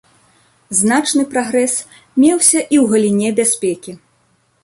Значны прагрэс меўся і ў галіне бяспекі.